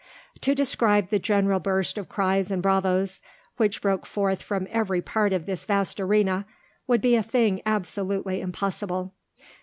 To describe the general burst of cries and bravos which broke forth from every part of this vast arena, would be a thing absolutely impossible.